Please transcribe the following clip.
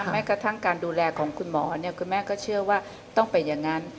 แม้กระทั่งการดูแลของคุณหมอคุณแม่ก็เชื่อว่าต้องเป็นอย่างนั้น